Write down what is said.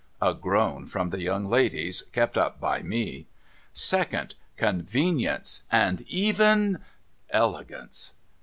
A groan from the young ladies, kep' up by me. ' Second : convenience, and even elegance.'